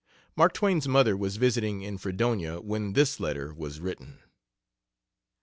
Mark Twain's mother was visiting in Fredonia when this letter was written.